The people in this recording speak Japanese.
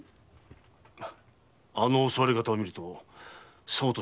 あの襲われ方を見るとそうとしか思えぬ。